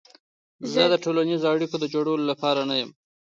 زه د ټولنیزو اړیکو د جوړولو لپاره نه یم.